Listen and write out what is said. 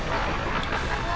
うわ！